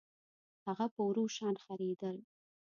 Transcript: هغه په ورو شان خرېدل